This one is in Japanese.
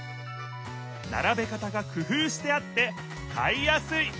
ならべ方がくふうしてあって買いやすい！